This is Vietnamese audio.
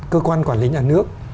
cơ quan quản lý nhà nước